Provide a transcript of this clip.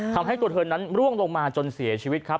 ทำให้ตัวเธอนั้นร่วงลงมาจนเสียชีวิตครับ